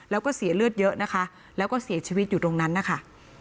แล้วก็เสียเลือดเยอะนะคะแล้วก็เสียชีวิตอยู่ตรงนั้นนะคะ